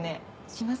しますか？